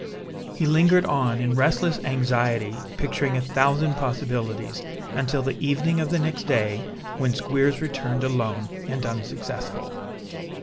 He lingered on in restless anxiety, picturing a thousand possibilities, until the evening of the next day when Squeers returned alone and unsuccessful.